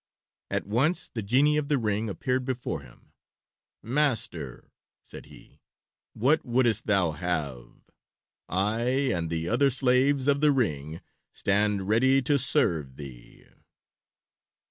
At once the genie of the ring appeared before him. "Master," said he, "what wouldst thou have? I and the other slaves of the ring stand ready to serve thee."